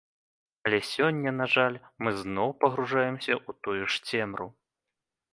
Але сёння, на жаль, мы зноў пагружаемся ў тую ж цемру.